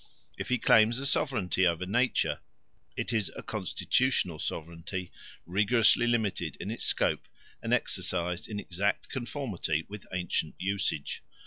If he claims a sovereignty over nature, it is a constitutional sovereignty rigorously limited in its scope and exercised in exact conformity with ancient usage.